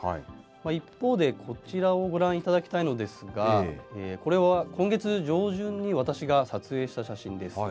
一方で、こちらをご覧いただきたいのですが、これは今月上旬に私が撮影した写真です。